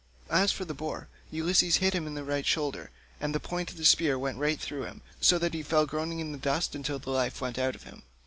As for the boar, Ulysses hit him on the right shoulder, and the point of the spear went right through him, so that he fell groaning in the dust until the life went out of him.